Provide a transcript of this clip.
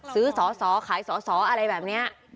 ซื้อสอสอขายสอสออะไรแบบนี้